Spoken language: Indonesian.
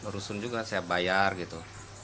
rusun juga saya bayar gitu